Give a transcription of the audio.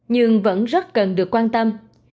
nhưng vẫn rất cần được quan tâm